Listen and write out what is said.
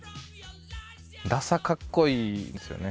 ださかっこいいですよね。